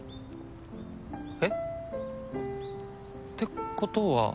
えっ？てことは。